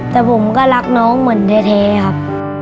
แต่ผมก็รักน้องเหมือนแท้ครับ